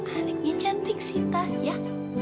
ah lagi cantik sita ya